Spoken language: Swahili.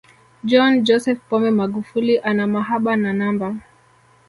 john joseph pombe magufuli ana mahaba na namba